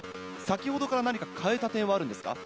先ほどから何か変えた点はあるんですか？